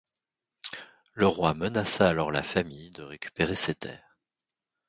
Le roi menaça alors la famille de récupérer ces terres.